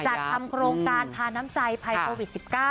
จัดทำโครงการทาน้ำใจภัยโควิด๑๙